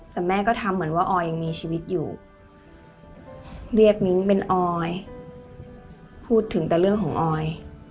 แต่แม่ก็ทำเหมือนว่าออยยังมีชีวิตอยู่เรียกมิ้งเป็นออยพูดถึงแต่เรื่องของออย